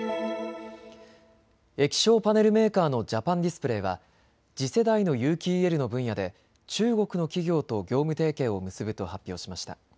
液晶パネルメーカーのジャパンディスプレイは次世代の有機ＥＬの分野で中国の企業と業務提携を結ぶと発表しました。